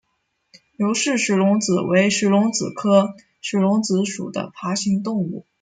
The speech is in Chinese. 刘氏石龙子为石龙子科石龙子属的爬行动物。